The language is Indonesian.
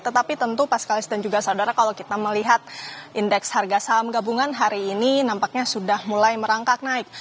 tetapi tentu pascalis dan juga saudara kalau kita melihat indeks harga saham gabungan hari ini nampaknya sudah mulai merangkak naik